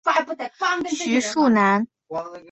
徐树楠。